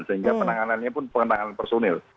sehingga penanganannya pun penanganan personil